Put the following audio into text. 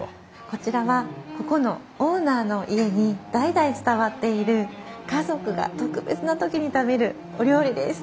こちらはここのオーナーの家に代々伝わっている家族が特別な時に食べるお料理です。